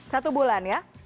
satu bulan ya